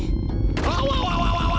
わわわわわ！